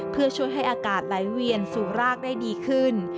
เพื่อช่วยให้อากาศไหลเวียนสู่รากได้ดีขึ้น